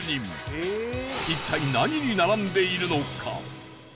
一体何に並んでいるのか？